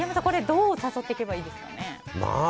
どう誘っていけばいいですかね。